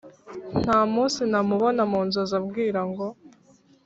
nta munsi ntamubona munzozi ambwira ngo